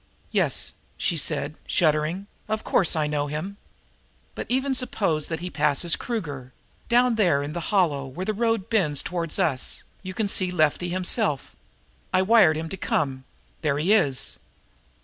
"Yes," she said, shuddering. "Of course I know him." "But even suppose that the he passes Kruger down there in the hollow, where the road bends in toward us, you can see Lefty himself. I wired him to come, and there he is."